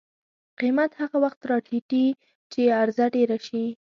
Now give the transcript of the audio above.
قیمت هغه وخت راټیټي چې عرضه ډېره شي.